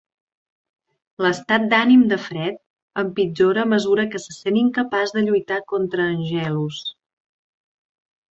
L'estat d'ànim de Fred empitjora a mesura que se sent incapaç de lluitar contra Angelus.